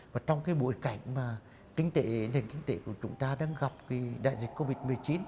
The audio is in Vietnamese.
và trong cái bối cảnh mà tính tệ nền tính tệ của chúng ta đang gặp cái đại dịch covid một mươi chín